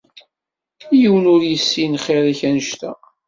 Yiwen ur yessin xir-ik annect-a.